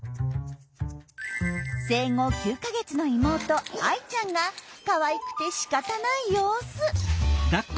生後９か月の妹藍衣ちゃんがかわいくてしかたない様子。